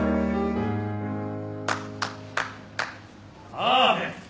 パーフェクト。